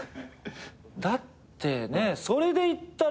だってねそれでいったら。